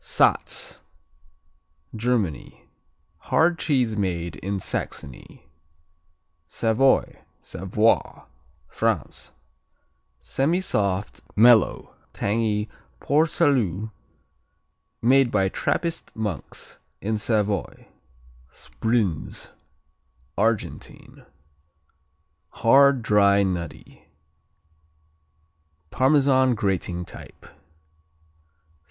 Satz Germany Hard cheese made in Saxony. Savoy, Savoie France Semisoft; mellow; tangy Port Salut made by Trappist monks in Savoy. Sbrinz Argentine Hard; dry; nutty; Parmesan grating type.